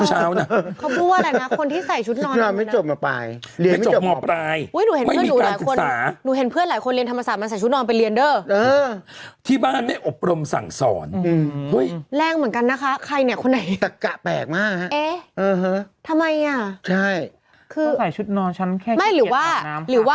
ฉันก็ใส่ชุดนอนไปฟังเกียปทุกเช้านะ